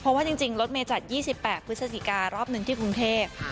เพราะว่าจริงรถเมย์จัด๒๘พฤศจิการอบหนึ่งที่กรุงเทพ